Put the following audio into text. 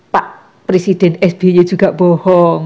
pak presiden sby juga bohong